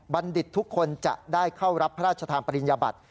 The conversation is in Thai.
ดิษฐ์ทุกคนจะได้เข้ารับพระราชทานปริญญาบัติ